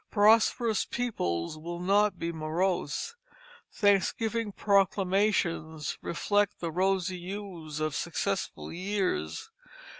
Prosperous peoples will not be morose; thanksgiving proclamations reflect the rosy hues of successful years.